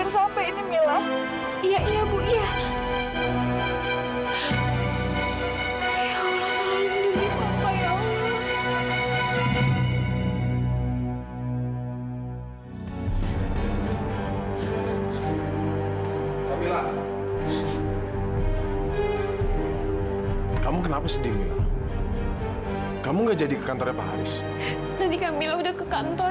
sampai jumpa di video selanjutnya